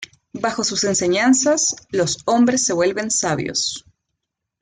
Bajo sus enseñanzas los hombres se vuelven sabios.